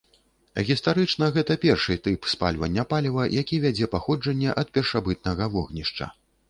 Гістарычна гэта першы тып спальвання паліва, які вядзе паходжанне ад першабытнага вогнішча.